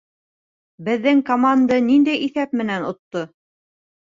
Беҙҙең команда ниндәй иҫәп менән отто?